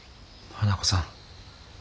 花子さん。